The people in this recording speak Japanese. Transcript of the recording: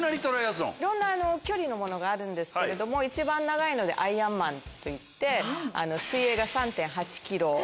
いろんな距離のものがあるんですけれども一番長いのでアイアンマンといって。